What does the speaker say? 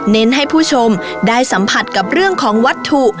ให้ผู้ชมได้สัมผัสกับเรื่องของวัตถุ